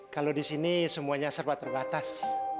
kalau disini semuanya serba terbatas